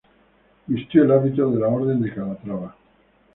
Vistió el hábito de la Orden de Calatrava.